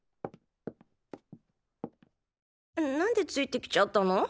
なんでついて来ちゃったの？